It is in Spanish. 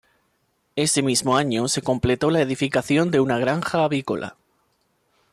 Ese mismo año se completó al edificación de una granja avícola.